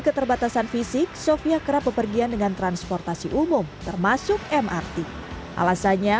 keterbatasan fisik sofia kerap bepergian dengan transportasi umum termasuk mrt alasannya